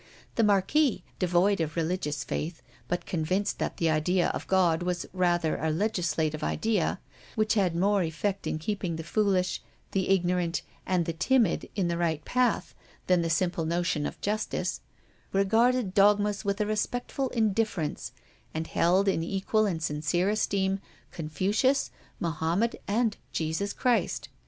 The Marquis, devoid of religious faith, but convinced that the idea of God was rather a legislative idea, which had more effect in keeping the foolish, the ignorant, and the timid in the right path than the simple notion of Justice, regarded dogmas with a respectful indifference, and held in equal and sincere esteem Confucius, Mohammed, and Jesus Christ.